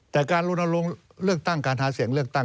แต่การลนลงเลือกตั้งการหาเสียงเลือกตั้ง